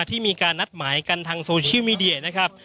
ที่มีการนัดหมายกันทางโซเชียลมีเดียนะครับ